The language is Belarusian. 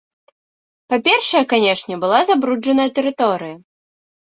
Па-першае, канечне, была забруджаная тэрыторыя.